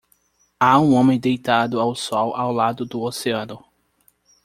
Há um homem deitado ao sol ao lado do oceano.